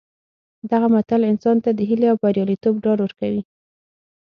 دغه متل انسان ته د هیلې او بریالیتوب ډاډ ورکوي